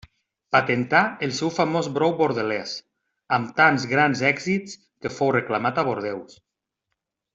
Patentà el seu famós brou bordelés, amb tants grans èxits que fou reclamat a Bordeus.